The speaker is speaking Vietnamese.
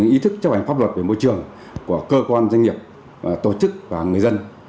ý thức chấp hành pháp luật về môi trường của cơ quan doanh nghiệp tổ chức và người dân